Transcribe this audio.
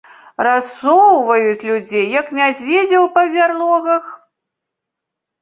Рассоўваюць людзей, як мядзведзяў па бярлогах?